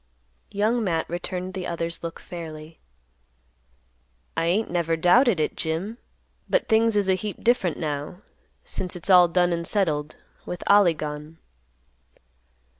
Young Matt returned the other's look fairly; "I ain't never doubted it, Jim. But things is a heap different now, since it's all done and settled, with Ollie gone."